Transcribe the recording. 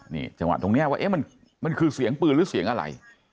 นี่จังหวะตรงนี้ว่ามันคือเสียงปืนหรือเสียงอะไร